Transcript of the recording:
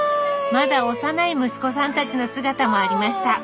まだ幼い息子さんたちの姿もありました。